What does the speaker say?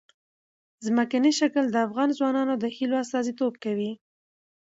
ځمکنی شکل د افغان ځوانانو د هیلو استازیتوب کوي.